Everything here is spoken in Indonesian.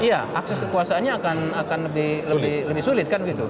iya akses kekuasaannya akan lebih sulit